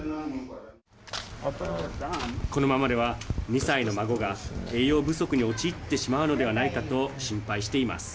このままでは、２歳の孫が栄養不足に陥ってしまうのではないかと心配しています。